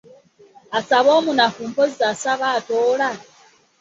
Asaba omunafu mpozzi asaba atoola?